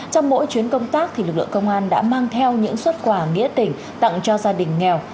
trong mỗi chuyến công tác lực lượng công an đã mang theo những xuất quà nghĩa tỉnh tặng cho gia đình nghèo